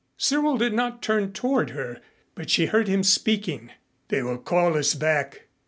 Cyril did not turn toward her, but she heard him speaking. "They will call us back.